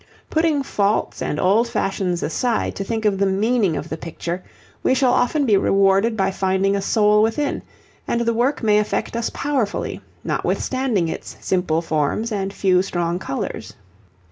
Putting faults and old fashions aside to think of the meaning of the picture, we shall often be rewarded by finding a soul within, and the work may affect us powerfully, notwithstanding its simple forms and few strong colours.